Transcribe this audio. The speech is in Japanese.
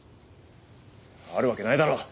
あるわけないだろう。